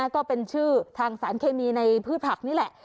ก็เป็นชื่อทางสารเคมีในพืชผักนี่แหละ